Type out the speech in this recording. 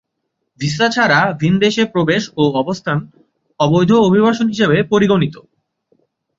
Visa ছাড়া ভিন দেশে প্রবেশ ও অবস্থান অবৈধ অভিবাসন হিসাবে পরিগণিত।